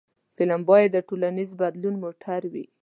فلم باید د ټولنیز بدلون موټر وي